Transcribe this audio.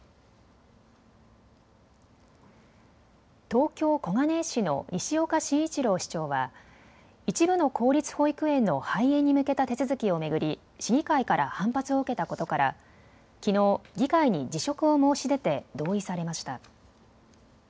東京小金井市の西岡真一郎市長は一部の公立保育園の廃園に向けた手続きを巡り市議会から反発を受けたことからきのう議会に辞職を申し出て同意されました。